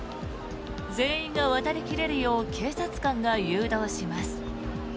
全員が渡り切れるよう警察官が誘導します。